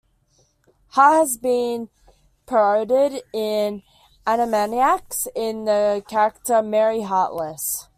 Hart has been parodied in "Animaniacs" in the character "Mary Heartless".